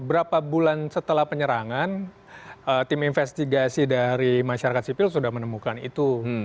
berapa bulan setelah penyerangan tim investigasi dari masyarakat sipil sudah menemukan itu